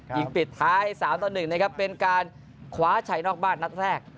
ยิงปิดท้าย๓ต่อ๑นะครับเป็นการคว้าชัยนอกบ้านนัดแรก